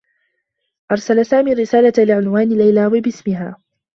أرسل سامي الرّسالة إلى عنوان ليلى و باسمها.